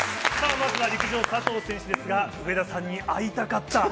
まずは陸上・佐藤選手ですが、上田さんに会いたかった。